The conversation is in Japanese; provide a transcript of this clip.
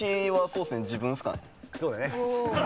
そうだよね。